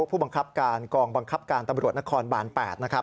ผู้บังคับการกองบังคับการตำรวจนครบาน๘นะครับ